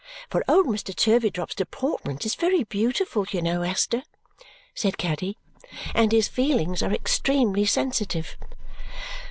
For old Mr. Turveydrop's deportment is very beautiful, you know, Esther," said Caddy, "and his feelings are extremely sensitive."